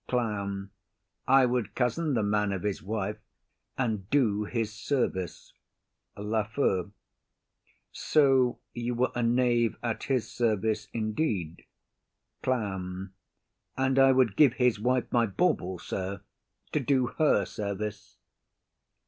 CLOWN. I would cozen the man of his wife, and do his service. LAFEW. So you were a knave at his service indeed. CLOWN. And I would give his wife my bauble, sir, to do her service.